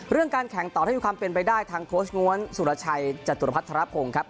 เรื่องการแข่งต่อให้ความเป็นไปได้ทางโคชง้วนสุรชัยจตุรพัฒนธรพงศ์ครับ